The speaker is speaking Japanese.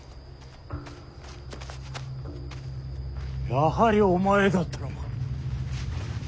やはりお前だったのか！